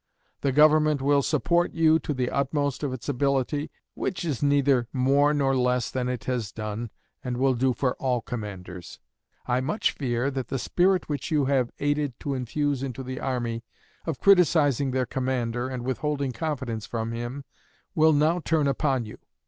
The Government will support you to the utmost of its ability, which is neither more nor less than it has done and will do for all commanders. I much fear that the spirit which you have aided to infuse into the army, of criticizing their commander and withholding confidence from him, will now turn upon you.